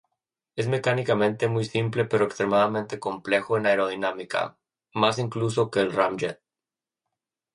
Es mecánicamente muy simple pero extremadamente complejo en aerodinámica, más incluso que el ramjet.